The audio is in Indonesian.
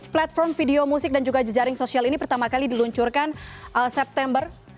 platform video musik dan juga jejaring sosial ini pertama kali diluncurkan september